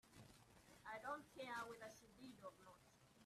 I don't care whether she did or not.